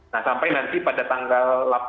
nah sampai nanti pada tanggal